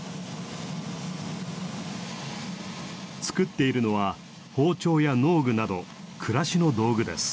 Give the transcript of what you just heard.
作っているのは包丁や農具など暮らしの道具です。